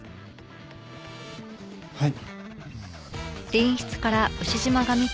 はい。